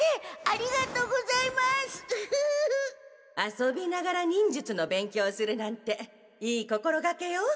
遊びながら忍術の勉強をするなんていい心がけよ。